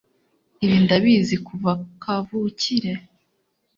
ibi ndabizi kuva kavukire